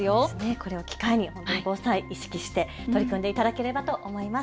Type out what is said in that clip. これを機会に防災、意識して取り組んでいただければと思います。